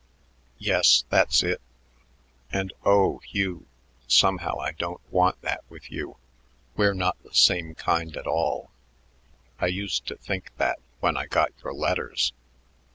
"Yes, that's it and, oh, Hugh, somehow I don't want that with you. We're not the same kind at all. I used to think that when I got your letters.